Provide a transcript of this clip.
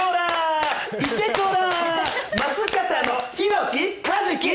松方のイノキ、カジキ。